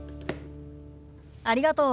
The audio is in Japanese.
ありがとう。